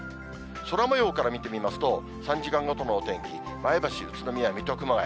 空もようから見てみますと、３時間ごとのお天気、前橋、宇都宮、水戸、熊谷。